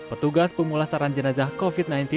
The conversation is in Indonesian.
petugas pemulasaran jenazah covid sembilan belas